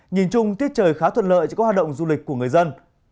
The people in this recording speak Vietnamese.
nhìn chung tiết trời khá thuận lợi cho các hoạt động du lịch của người dân